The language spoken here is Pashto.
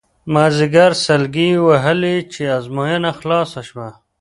مازیګر سلګۍ وهلې چې ازموینه خلاصه شوه.